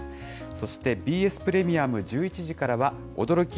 そしてＢＳプレミアム１１時からは、驚き！